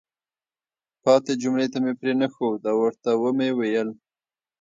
پاتې جملې ته مې پرېنښود او ورته ومې ویل: